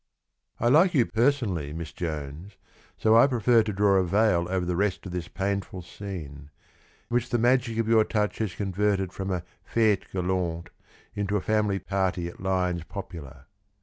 I like you personally, Miss Jones, so I prefer to draw a veil over the rest of this painful scene, which the magic of your touch has converted from a Fete Galante into a family party at Lyons' Popular.